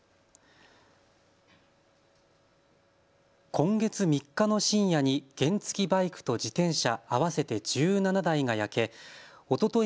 今月３日の深夜に原付きバイクと自転車合わせて１７台が焼けおととい